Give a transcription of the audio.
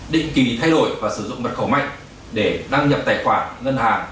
định kỳ thay đổi và sử dụng mật khẩu mạnh để đăng nhập tài khoản ngân hàng